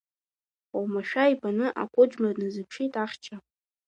Омашәа ибаны ақәыџьма дназыԥшит ахьча.